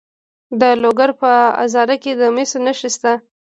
د لوګر په ازره کې د مسو نښې شته.